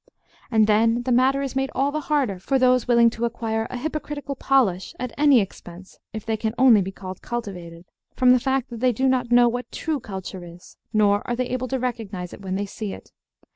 And then the matter is made all the harder for those willing to acquire a hypocritical polish at any expense if they can only be called "cultivated," from the fact that they do not know what true culture is, nor are they able to recognize it when they see it.